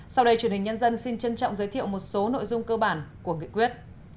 sau đây truyền hình nhân dân xin trân trọng giới thiệu một số nội dung cơ bản của nghị quyết